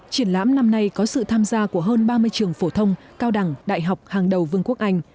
triển lãm năm nay có sự tham gia của hơn ba mươi trường phổ thông cao đẳng đại học hàng đầu vương quốc anh